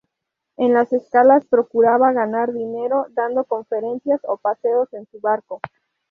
En las escalas procuraba ganar dinero dando conferencias o paseos en su barco.